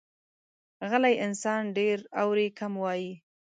غلی انسان، ډېر اوري، کم وایي.